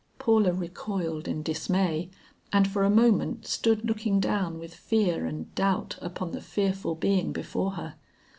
Paula recoiled in dismay, and for a moment stood looking down with fear and doubt upon the fearful being before her.